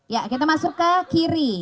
ya kita masuk ke kiri